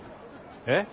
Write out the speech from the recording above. えっ？